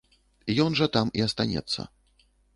Ён жа там і астанецца.